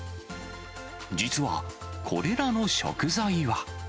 実はこれらの食材は。